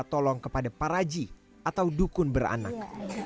tolong kepada paraji atau dukun beranak